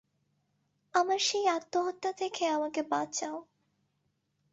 আমার সেই আত্মহত্যা থেকে আমাকে বাঁচাও।